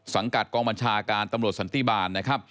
สังกัดกองบัญชาการตำรวจสันติบาลนะครับ